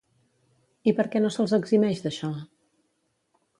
I per què no se'ls eximeix d'això?